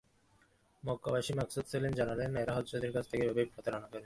মক্কাবাসী মাকসুদ সেলিম জানালেন, এরা হজযাত্রীদের কাছ থেকে এভাবে প্রতারণা করে টাকা নেয়।